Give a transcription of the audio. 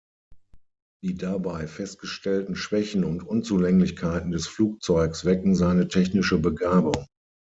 Die dabei festgestellten Schwächen und Unzulänglichkeiten des Flugzeugs wecken seine technische Begabung.